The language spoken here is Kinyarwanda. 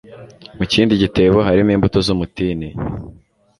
mu kindi gitebo harimo imbuto z'umutini